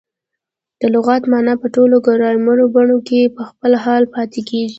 د لغت مانا په ټولو ګرامري بڼو کښي په خپل حال پاته کیږي.